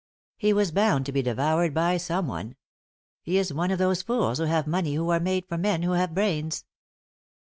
He was bound to be devoured by someone. He is one of those fools who have money who are made for men who have brains.